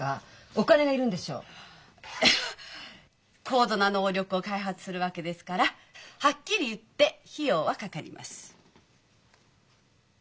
高度な能力を開発するわけですからはっきり言って費用はかかります。